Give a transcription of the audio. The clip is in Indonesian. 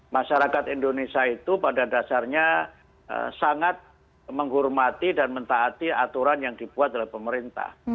masyarakat indonesia itu pada dasarnya sangat menghormati dan mentaati aturan yang dibuat oleh pemerintah